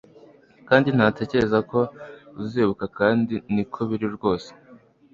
Kandi ndatekereza ko uzibuka kandi niko biri rwose